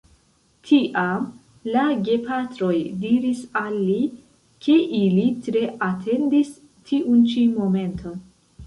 Tiam la gepatroj diris al li, ke ili tre atendis tiun ĉi momenton.